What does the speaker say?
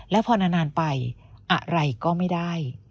และพอนานไปอะไรก็ไม่ได้